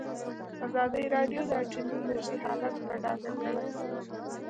ازادي راډیو د اټومي انرژي حالت په ډاګه کړی.